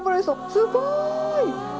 すごい！